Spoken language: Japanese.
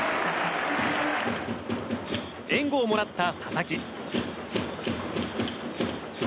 援護をもらった佐々木。